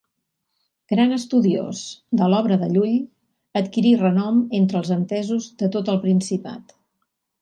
Gran estudiós de l'obra de Llull, adquirí renom entre els entesos de tot el Principat.